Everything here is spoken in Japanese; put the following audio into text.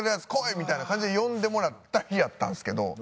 みたいな感じで呼んでもらった日やったんですけど。